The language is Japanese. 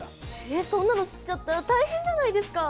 えそんなの吸っちゃったら大変じゃないですか！